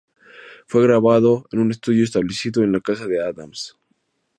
Fue grabado en un estudio establecido en la casa de Adams.